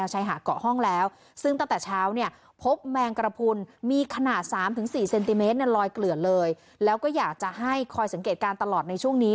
หลอยเกลือเลยแล้วก็อยากจะให้คอยสังเกตการณ์ตลอดในช่วงนี้